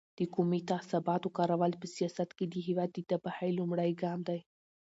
د قومي تعصباتو کارول په سیاست کې د هېواد د تباهۍ لومړی ګام دی.